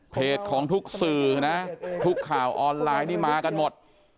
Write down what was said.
เพจของทุกสื่อทุกข่าวออนไลน์มากันหมด